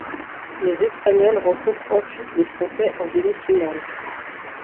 Les Espagnols rencontrent ensuite les Français en demi-finale.